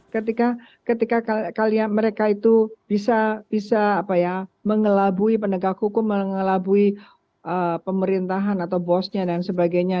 ketika mereka itu bisa mengelabui penegak hukum mengelabui pemerintahan atau bosnya dan sebagainya